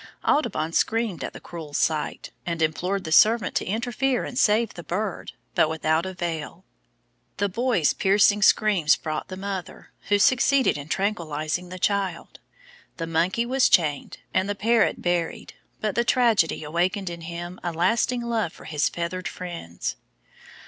Audubon screamed at the cruel sight, and implored the servant to interfere and save the bird, but without avail. The boy's piercing screams brought the mother, who succeeded in tranquillising the child. The monkey was chained, and the parrot buried, but the tragedy awakened in him a lasting love for his feathered friends.